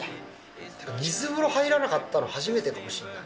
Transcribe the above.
水風呂入らなかったの、初めてかもしれない。